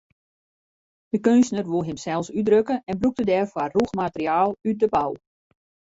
De keunstner woe himsels útdrukke en brûkte dêrfoar rûch materiaal út de bou.